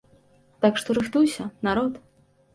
Так што рыхтуйся, народ!